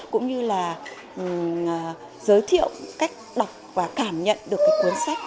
cũng như là giới thiệu cách đọc và cảm nhận được cái cuốn sách